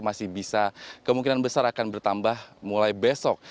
masih bisa kemungkinan besar akan bertambah mulai besok